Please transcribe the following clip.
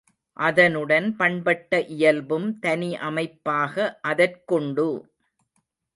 அதனுடன் பண்பட்ட இயல்பும் தனி அமைப்பாக அதற்குண்டு.